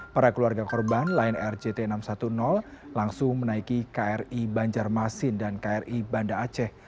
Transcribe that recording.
para keluarga korban lion air jt enam ratus sepuluh langsung menaiki kri banjarmasin dan kri banda aceh